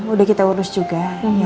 udah kita urus juga